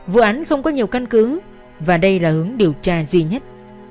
vụ án không có nhiều căn cứ và đây là hướng điều tra duy nhất